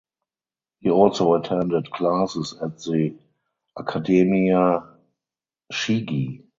He also attended classes at the Accademia Chigi.